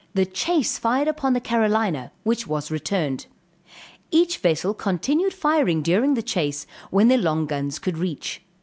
the chase fired upon the Carolina, which was returned; each vessel continued firing during the chase, when their long guns could reach.